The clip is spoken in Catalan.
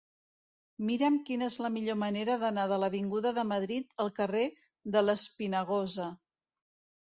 Mira'm quina és la millor manera d'anar de l'avinguda de Madrid al carrer de l'Espinagosa.